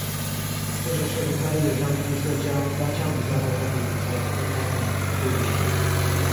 这是世乒赛历史上第一次将单项比赛和团体比赛分开举行。